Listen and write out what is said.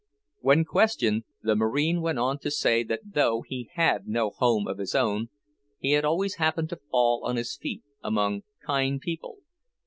When questioned, the Marine went on to say that though he had no home of his own, he had always happened to fall on his feet, among kind people.